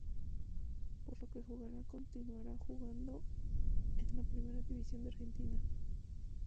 Por lo que jugará continuará jugando en la Primera División de Argentina.